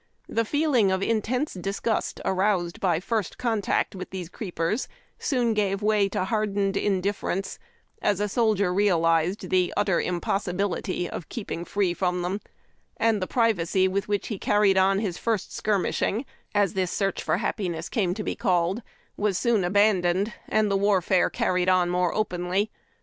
The feeling of intense disgust aroused by the first contact with these creepers soon gave way to hardened indifference, as a soldier realized the utter impossi bility of keeping free from them, and the privacy with which he carried on his first "skir mishing," as this "search for happi ness " came to be called, was soon abandoned, and the warfare carried on more openly.